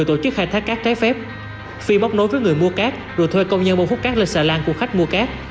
trước khai thác các trái phép phi bóc nối với người mua các rồi thuê công nhân bông hút các lên xà lan của khách mua các